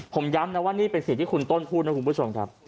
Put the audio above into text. ผมย้ำนะว่านี่เป็นสิ่งที่คุณต้นพูดนะคุณผู้ชมครับ